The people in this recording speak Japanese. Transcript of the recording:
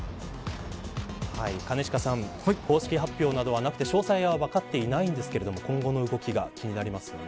兼近さん、公式発表などはなくて詳細は分かっていないんですが今後の動きが気になりますね。